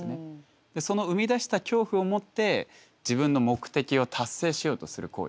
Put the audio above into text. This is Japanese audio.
その生み出した恐怖をもって自分の目的を達成しようとする行為。